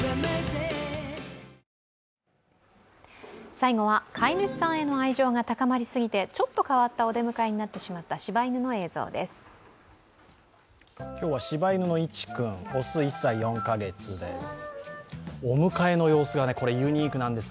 最後は、飼い主さんへの愛情が高まりすぎてちょっと変わったお出迎えになってしまったしば犬の映像です。